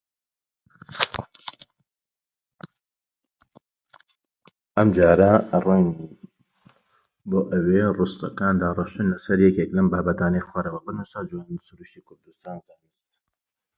بێحەد گەمژەیت.